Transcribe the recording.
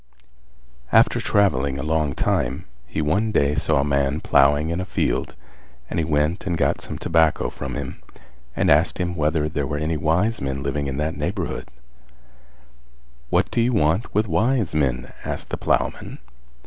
After travelling a long time, he one day saw a man ploughing in a field and he went and got some tobacco from him and asked him whether there were any wise men living in that neighbourhood. "What do you want with wise men?", asked the ploughman.